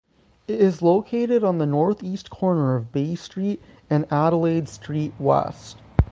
It is located on the northeast corner of Bay Street and Adelaide Street West.